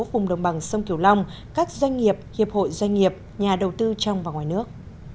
vùng đồng bằng sông kiều long các doanh nghiệp hiệp hội doanh nghiệp nhà đầu tư trong và ngoài nước